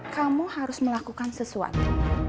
kamu harus melakukan sesuatu